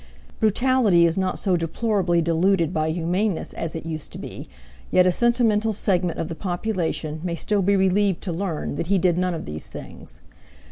Brutality is not so deplorably diluted by humaneness as it used to be, yet a sentimental segment of the population may still be relieved to learn that he did none of these things.